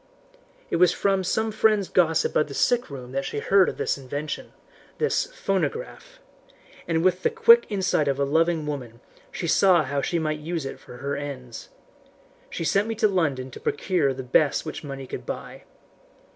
"It was from some friend's gossip of the sick room that she heard of this invention this phonograph and with the quick insight of a loving woman she saw how she might use it for her ends. She sent me to London to procure the best which money could buy.